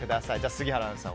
杉原アナウンサー